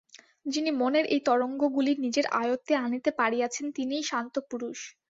যিনি মনের এই তরঙ্গগুলি নিজের আয়ত্তে আনিতে পারিয়াছেন, তিনিই শান্ত পুরুষ।